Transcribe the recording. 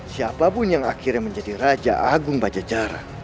siapapun yang akhirnya menjadi raja agung bajajaran